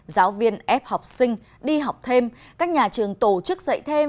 giáo viên ép học sinh đi học thêm các nhà trường tổ chức dạy thêm